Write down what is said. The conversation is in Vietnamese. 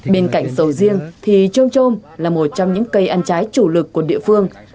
bên cạnh sầu riêng thì trôm trôm là một trong những cây ăn trái chủ lực của địa phương